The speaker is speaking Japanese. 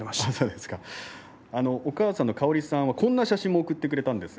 お母さんの香織さんがこんな写真を送ってくれました。